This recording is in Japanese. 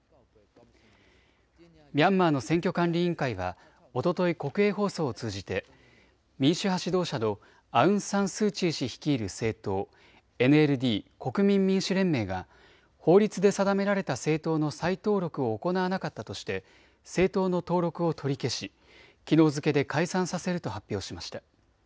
ミャンマーの選挙管理委員会はおととい国営放送を通じて民主派指導者のアウン・サン・スー・チー氏率いる政党、ＮＬＤ・国民民主連盟が法律で定められた政党の再登録を行わなかったとして政党の登録を取り消しきのう付けで解散させると発表しました。